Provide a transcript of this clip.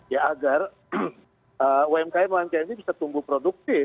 ya agar umkm umkm ini bisa tumbuh produktif